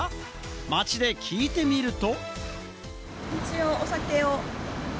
街で聞いてみると。